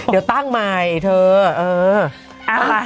เดี๋ยวตั้งใหม่เธอเออ